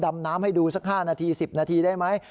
ดำน้ำให้ดูสัก๕นาที๑๐นาทีได้ไหม